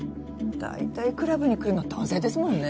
大体クラブに来るの男性ですもんね。